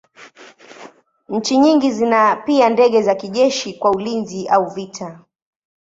Nchi nyingi zina pia ndege za kijeshi kwa ulinzi au vita.